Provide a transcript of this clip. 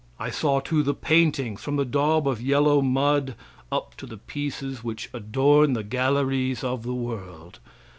I saw, too, the paintings, from the daub of yellow mud up to the pieces which adorn the galleries of the world.